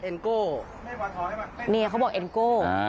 โก้เนี่ยเขาบอกเอ็นโก้